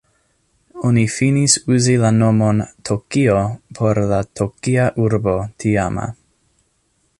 Oni finis uzi la nomon "Tokio" por la Tokia Urbo tiama.